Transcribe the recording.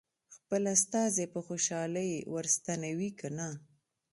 خپل استازی په خوشالۍ ور ستنوي که نه.